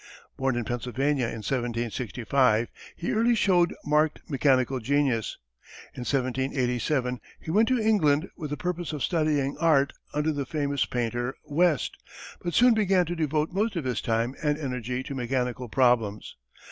Born in Pennsylvania in 1765, he early showed marked mechanical genius. In 1787 he went to England with the purpose of studying art under the famous painter West, but soon began to devote most of his time and energy to mechanical problems.